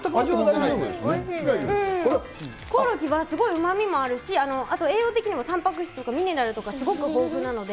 コオロギはすごいうまみもあるし、あと栄養的にはたんぱく質とかミネラルとかすごく豊富なので。